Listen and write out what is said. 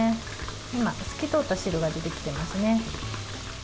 今、透き通った汁が出てきていますね。